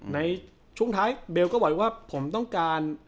ในช่วงท้ายเบลก็บอกว่าผมต้องการ